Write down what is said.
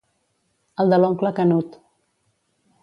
El de l'oncle Canut.